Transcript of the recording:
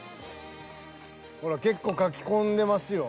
［ほら結構かき込んでますよ］